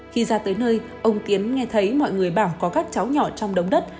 khi ra tới nơi ông tiến nghe thấy mọi người bảo có các cháu nhỏ trong đống đất